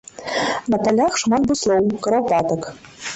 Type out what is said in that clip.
На палях шмат буслоў, курапатак.